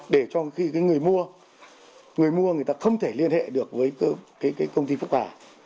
để trong khi cái người mua người mua người ta không thể liên hệ được với cái công ty phúc hà